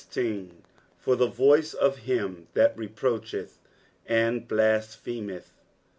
"For the toice of him that reproneheth and ilatpiemeth."